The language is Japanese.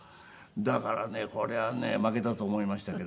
だからねこれはね負けたと思いましたけどね。